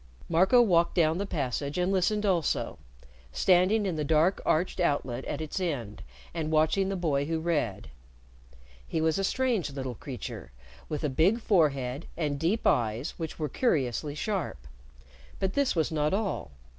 Marco walked down the passage and listened also, standing in the dark arched outlet at its end and watching the boy who read. He was a strange little creature with a big forehead, and deep eyes which were curiously sharp. But this was not all.